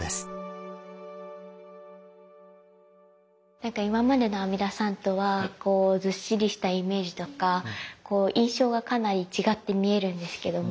なんか今までの阿弥陀さんとはずっしりしたイメージとか印象がかなり違って見えるんですけども。